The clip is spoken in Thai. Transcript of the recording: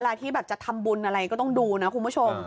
ที่แบบจะทำบุญอะไรก็ต้องดูนะคุณผู้ชม